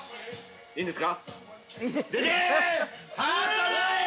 いいんですか。